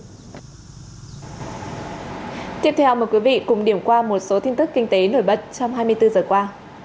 tiếp theo mời quý vị cùng điểm qua một số tin tức kinh tế nổi bật trong hai mươi bốn giờ qua